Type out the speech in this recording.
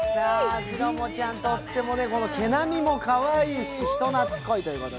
しろもちゃん、とっても毛並みもかわいいし人なつこいということで。